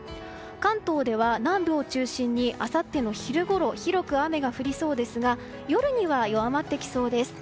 関東では、南部を中心にあさっての昼ごろ広く雨が降りそうですが夜には弱まってきそうです。